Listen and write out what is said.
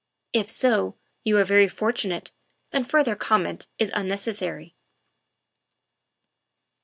If so, you are very fortu nate, and further comment is unnecessary.